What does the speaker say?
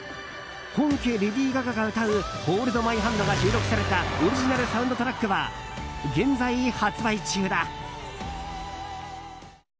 本家レディー・ガガが歌う「ホールド・マイ・ハンド」が収録されたオリジナルサウンドトラックは現在発売中だ。